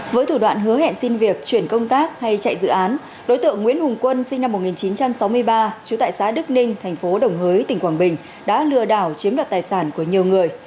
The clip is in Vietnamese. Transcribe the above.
với thủ đoạn hứa hẹn xin việc chuyển công tác hay chạy dự án đối tượng nguyễn hùng quân sinh năm một nghìn chín trăm sáu mươi ba trú tại xã đức ninh thành phố đồng hới tỉnh quảng bình đã lừa đảo chiếm đoạt tài sản của nhiều người